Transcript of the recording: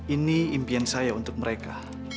ini impian saya untuk mereka